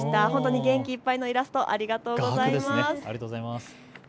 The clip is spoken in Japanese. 元気いっぱいのイラストありがとうございます。